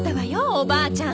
おばあちゃん。